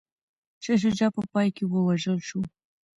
شاه شجاع په پای کي ووژل شو.